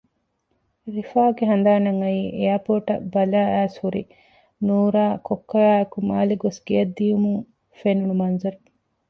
ރިފާގެ ހަނދާނަށް އައީ އެއާޕޯޓަށް ބަލާއައިސް ހުރި ނޫރާ ކޮއްކޮއާއެކު މާލެ ގޮސް ގެޔަށް ދިއުމުން ފެނުނު މަންޒަރު